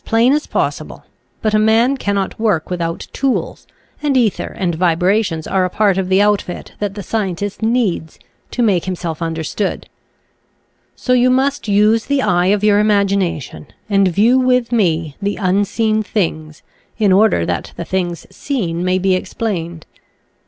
177 plain as possible, but a man cannot work with out tools, and ether and vibrations are a part of the outfit that the scientist needs, to make himself understood. So you must use the eye of your imagination and view with me the unseen things in order that the things seen may be explained.